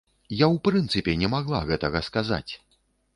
Я ў прынцыпе не магла гэтага сказаць!